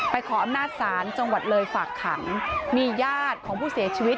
ขออำนาจศาลจังหวัดเลยฝากขังมีญาติของผู้เสียชีวิต